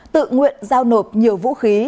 tự nguyện giao nộp nhiều vũ khí